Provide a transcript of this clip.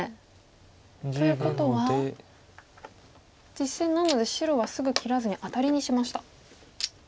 実戦なので白はすぐ切らずにアタリにしました。